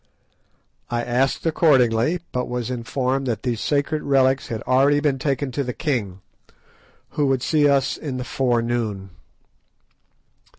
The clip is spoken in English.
I asked accordingly, but was informed that these sacred relics had already been taken to the king, who would see us in the forenoon.